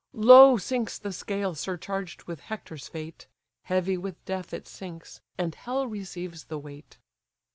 Low sinks the scale surcharged with Hector's fate; Heavy with death it sinks, and hell receives the weight.